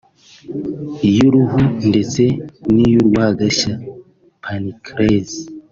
iy’uruhu ndetse n’iy’urwagashya (Pancreas)